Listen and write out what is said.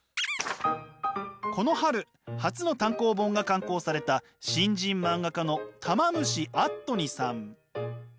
この春初の単行本が刊行された新人漫画家のたま虫あっとにさん。